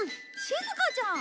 しずかちゃん。